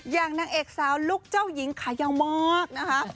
อย่างนางเอกสาวลูกเจ้าหญิงค่ะยาวมากนะค่ะ